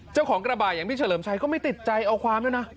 กระบาดอย่างพี่เฉลิมชัยก็ไม่ติดใจเอาความด้วยนะ